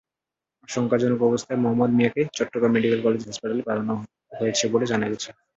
আশঙ্কাজনক অবস্থায় মোহাম্মদ মিয়াকে চট্টগ্রাম মেডিকেল কলেজ হাসপাতালে পাঠানো হয়েছে বলে জানা গেছে।